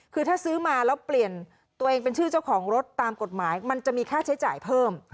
คือถ้าซื้อมาแล้วเปลี่ยนตัวเองเป็นชื่อเจ้าของรถตามกฎหมายมันจะมีค่าใช้จ่ายเพิ่ม